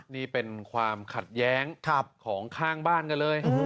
นี่เป็นความขัดแย้งของข้างบ้านกันเลย